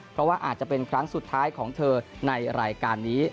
เพราะว่าอาจจะเป็นครั้งสุดท้ายของเธอในรายการนี้